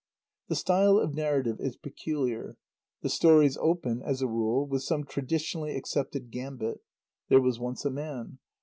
The style of narrative is peculiar. The stories open, as a rule, with some traditionally accepted gambit. "There was once a man